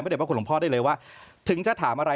พระเด็จพระคุณหลวงพ่อได้เลยว่า